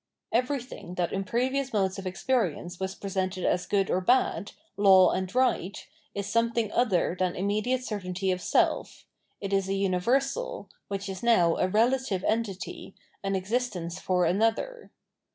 Everything that in previous modes of experience was presented as good or bad, law and right, is something other than immediate certainty of seif ; it is a tmi versal, which is now a relative entity, an existence for another.